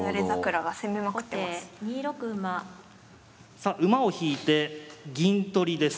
さ馬を引いて銀取りです。